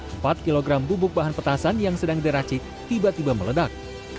empat kg bubuk bahan petasan yang sedang diracik tiba tiba meledak